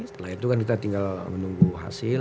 setelah itu kan kita tinggal menunggu hasil